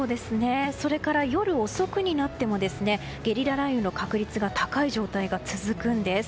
それから夜遅くになってもゲリラ雷雨の確率が高い状態が続くんです。